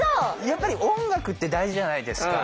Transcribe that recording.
やっぱり音楽って大事じゃないですか。